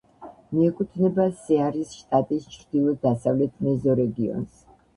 მიეკუთვნება სეარის შტატის ჩრდილო-დასავლეთ მეზორეგიონს.